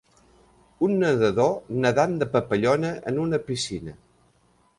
Un nedador nedant de papallona en una piscina